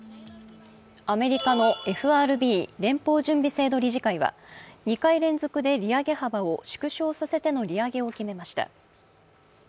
アメリカのＦＲＢ＝連邦準備制度理事会は２回連続で利上げ幅を縮小させての利上げを決めました。